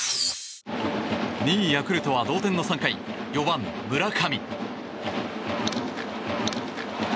２位ヤクルトは同点の３回４番、村上。